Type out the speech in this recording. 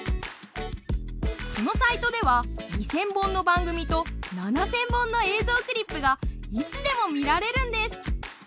このサイトでは２０００本の番組と７０００本の映像クリップがいつでも見られるんです！